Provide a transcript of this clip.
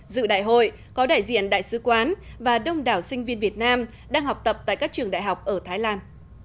dự đại hội có đại diện đại sứ quán và đông đảo sinh viên việt nam đang học tập tại các trường đại học ở thái lan